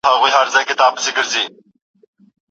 آیا ساعت تر دقیقې زیات وخت دی؟